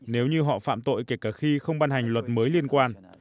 nếu như họ phạm tội kể cả khi không ban hành luật mới liên quan